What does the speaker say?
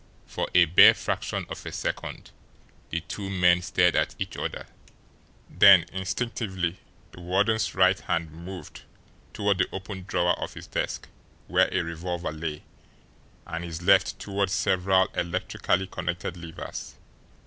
For a bare fraction of a second the two men stared at each other, then, instinctively, the warden's right hand moved toward the open drawer of his desk where a revolver lay, and his left toward several electrically connected levers.